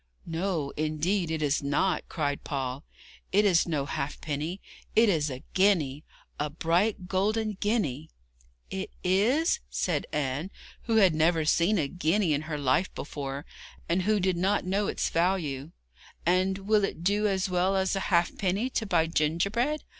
'No, indeed, it is not,' cried Paul; 'it is no halfpenny. It is a guinea a bright golden guinea!' 'Is it?' said Anne, who had never seen a guinea in her life before, and who did not know its value, 'and will it do as well as a halfpenny to buy gingerbread?